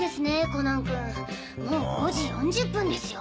コナン君もう５時４０分ですよ。